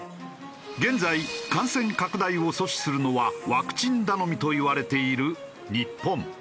現在感染拡大を阻止するのはワクチン頼みといわれている日本。